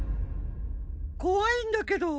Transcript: こわいんだけど。